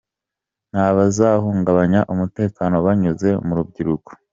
Nta bazahungabanya umutekano banyuze mu rubyiruko.